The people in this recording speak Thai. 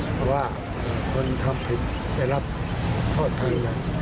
เพราะว่าคนทำผิดได้รับโทษทาง